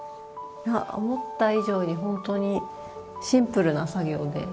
思った以上に本当にシンプルな作業で。